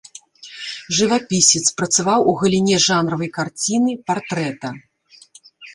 Жывапісец, працаваў у галіне жанравай карціны, партрэта.